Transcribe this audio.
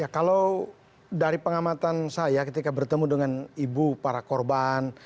kalau dari pengamatan saya ketika bertemu dengan ibu para korban